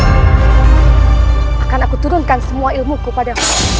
akan aku turunkan semua ilmuku padamu